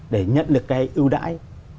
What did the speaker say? để nhận được cái ưu đãi